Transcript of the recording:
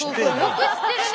よく知ってるね。